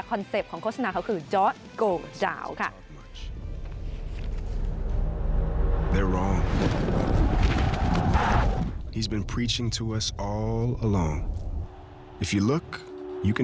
เป็ปต์ของโฆษณาเขาคือจอร์ดโกเจ้าค่ะ